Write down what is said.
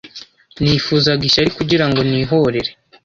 nifuzaga ishyari kugira ngo nihorere